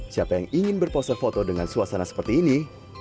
siapa yang ingin berposer foto dengan suasana seperti ini